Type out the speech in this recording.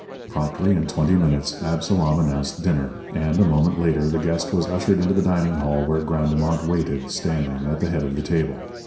Promptly, in twenty minutes, Absalom announced dinner, and, a moment later, the guest was ushered into the dining hall where Grandemont waited, standing, at the head of the table.